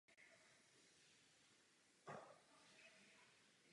Stejné krabice mohou zastávat obě funkce.